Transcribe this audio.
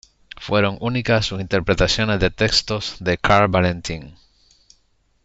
Fueron únicas sus interpretaciones de textos de Karl Valentin.